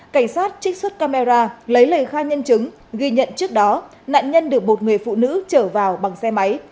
cảnh sát trích xuất camera lấy lời khai nhân chứng ghi nhận trước đó nạn nhân được một người phụ nữ chở vào bằng xe máy